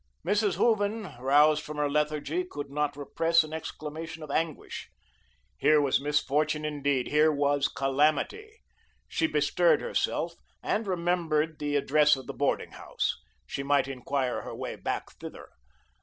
Mrs. Hooven, roused from her lethargy, could not repress an exclamation of anguish. Here was misfortune indeed; here was calamity. She bestirred herself, and remembered the address of the boarding house. She might inquire her way back thither.